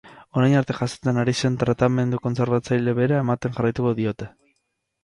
Orain arte jasotzen ari zen tratamendu kontserbatzaile bera ematen jarraituko diote.